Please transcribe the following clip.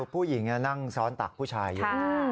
ผู้หญิงนั่งซ้อนตักผู้ชายอยู่